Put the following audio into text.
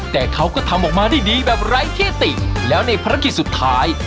แต่เขาก็ทำออกมาได้ดีแบบไร้ที่ติแล้วในภารกิจสุดท้าย